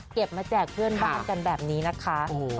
มาแจกเพื่อนบ้านกันแบบนี้นะคะ